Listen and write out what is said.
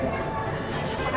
mbak maaf mbak ya